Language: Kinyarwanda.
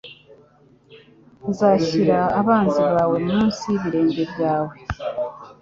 nzashyira abanzi bawe munsi yibirenge byawe